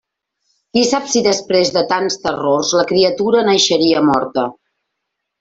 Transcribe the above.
Qui sap si després de tants terrors la criatura naixeria morta?